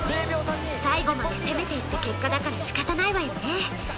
最後まで攻めていった結果だから、仕方ないわよね